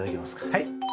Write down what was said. はい。